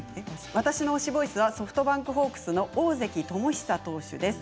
私の推しボイスは、ソフトバンクホークスの大関友久投手です。